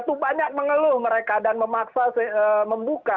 itu banyak mengeluh mereka dan memaksa membuka